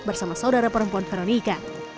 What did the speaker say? bersama saudara perempuan veronika